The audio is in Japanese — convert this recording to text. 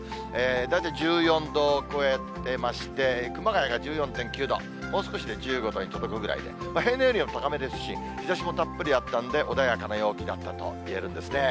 大体１４度超えてまして、熊谷が１４．９度、もう少しで１５度に届くぐらいで、平年よりは高めですし、日ざしもたっぷりあったんで、穏やかな陽気だったといえるんですね。